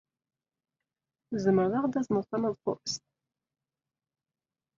Tzemreḍ ad aɣ-d-tazneḍ taneḍfust?